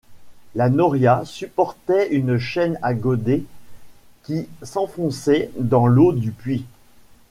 La noria supportait une chaîne à godets qui s’enfonçait dans l'eau du puits.